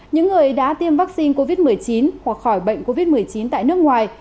những người đã tiêm vaccine covid một mươi chín hoặc khỏi bệnh covid một mươi chín tại nước ngoài